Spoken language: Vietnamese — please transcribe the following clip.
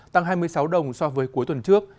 tăng hai mươi sáu đồng so với cuối tuần trước